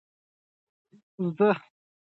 زده کړه ښځه د کورنۍ مالي ثبات زیاتوي.